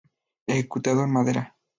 Ejecutado en madera.